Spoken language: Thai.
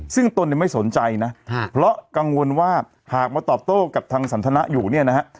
ซึ่งตนเนี่ยไม่สนใจนะเพราะกังวลว่าหากมาตอบโต้กับทางสันทนะอยู่เนี่ยนะฮะ